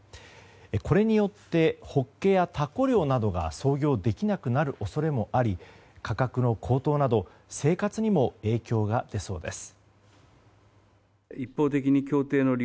これによってホッケやタコ漁などが操業できなくなる恐れもあり価格の高騰など生活にも影響が出そうです。